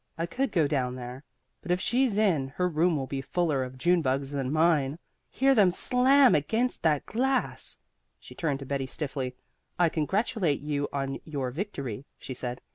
I could go down there, but if she's in, her room will be fuller of June bugs than mine. Hear them slam against that glass!" She turned to Betty stiffly. "I congratulate you on your victory," she said.